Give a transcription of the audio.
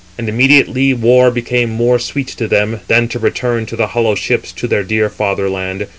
And immediately war became more sweet to them, than to return in the hollow ships to their dear fatherland.